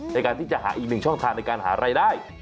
ในการที่จะหาอีกหนึ่งช่องทางในการหารายได้